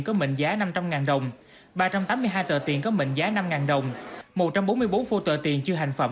có mệnh giá năm trăm linh đồng ba trăm tám mươi hai tờ tiền có mệnh giá năm đồng một trăm bốn mươi bốn phô tờ tiền chưa hành phẩm